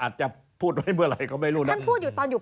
อาจจะพูดไว้เมื่อไหร่ก็ไม่รู้นะมันพูดอยู่ตอนอยู่